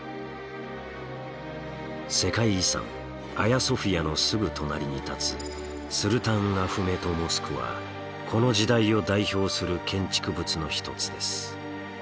世界遺産アヤソフィアのすぐ隣に建つスルタンアフメト・モスクはこの時代を代表する建築物の一つです。